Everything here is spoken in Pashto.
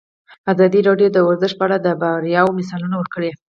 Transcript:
ازادي راډیو د ورزش په اړه د بریاوو مثالونه ورکړي.